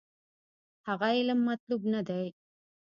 هغه علم مطلوب نه دی.